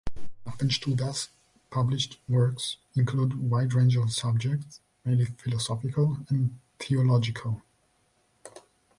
Babenstuber's published works include a wide range of subjects, mainly philosophical and theological.